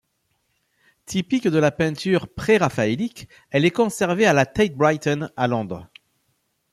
Typique de la peinture pré-raphaélite, elle est conservée à la Tate Britain, à Londres.